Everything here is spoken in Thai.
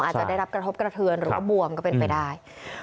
อาจจะได้รับกระทบกระเทือนหรือว่าบวมก็เป็นไปได้